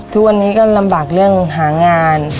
ทุกวันนี้ก็ลำบากเรื่องหางาน